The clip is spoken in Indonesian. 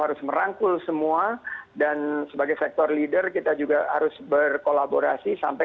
harus merangkul semua dan sebagai sektor leader kita juga harus berkolaborasi sampai